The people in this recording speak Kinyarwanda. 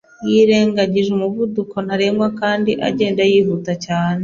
Yirengagije umuvuduko ntarengwa kandi agenda yihuta cyane.